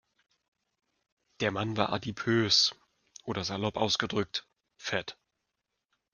Der Mann war adipös, oder salopp ausgedrückt: Fett.